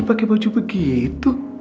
pake baju begitu